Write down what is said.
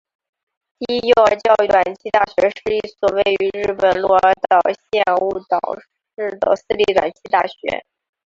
第一幼儿教育短期大学是一所位于日本鹿儿岛县雾岛市的私立短期大学。